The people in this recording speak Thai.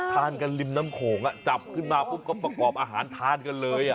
ทานกันริมน้ำโขงจับขึ้นมาปุ๊บก็ประกอบอาหารทานกันเลย